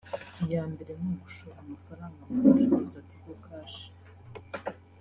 iyambere ni ugushora amafaranga mu gucuruza Tigo Cash